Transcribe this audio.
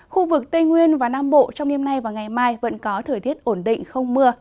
khu vực tây nguyên và nam bộ trong đêm nay và ngày mai vẫn có thời tiết ổn định không mưa